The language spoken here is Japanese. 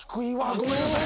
ごめんなさい。